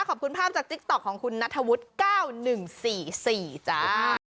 ขอบคุณภาพจากติ๊กต๊อกของคุณนัทธวุฒิ๙๑๔๔จ้า